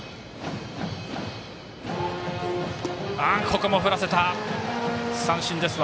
ここも振らせた、三振です。